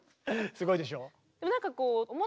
すごいでしょ。